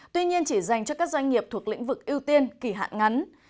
tuy nhiên chỉ dành cho các doanh nghiệp thuộc lĩnh vực ưu tiên kỳ hạn ngắn